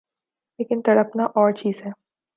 لیکن تڑپنا اورچیز ہے۔